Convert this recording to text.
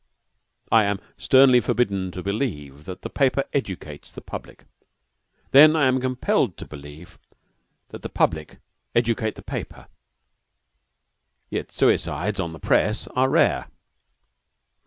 I am sternly forbidden to believe that the paper educates the public. Then I am compelled to believe that the public educate the paper; yet suicides on the press are rare.